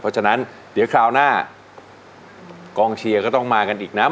เพราะฉะนั้นเดี๋ยวคราวหน้ากองเชียร์ก็ต้องมากันอีกนะ